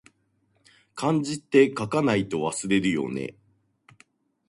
漢字って、書かないと忘れるよね